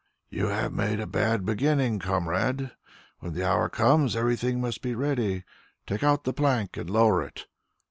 "You have made a bad beginning, comrade. When the hour comes, everything must be ready. Take out the plank and lower it.